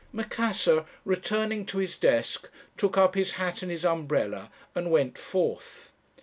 "Macassar, returning to his desk, took up his hat and his umbrella, and went forth.